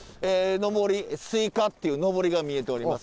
のぼり「すいか」っていうのぼりが見えております